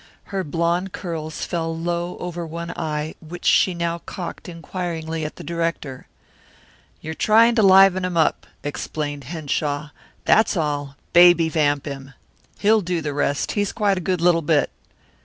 Her blonde curls fell low over one eye which she now cocked inquiringly at the director. "You're trying to liven him up," explained Henshaw. "That's all baby vamp him. He'll do the rest. He's quite a good little bit."